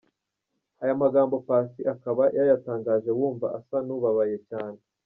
Aya magambo Paccy akaba yayatangaje wumva asa n’ubabaye cyane.